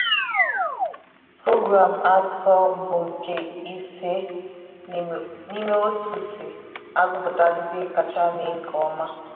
Program a so bụ nke ise n'ime otu si agụpụta ndi kacha mee nke ọma.